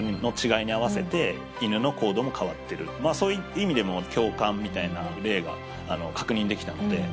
そういう意味でも共感みたいな例があの確認できたのでは